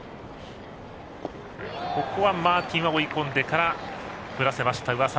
ここはマーティンは追い込んでから振らせました。